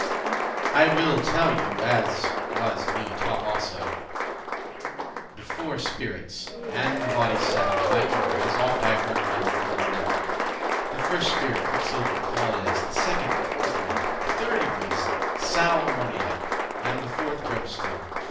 *moulds <8> I will you tell, as was me taught also, The foure spirits, and the bodies seven, By order, as oft I heard my lord them neven.* *name The first spirit Quicksilver called is; The second Orpiment; the third, y wis, Sal Armoniac, and the fourth Brimstone.